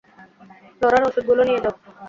Lawler ওষুধগুলো নিয়ে যাও!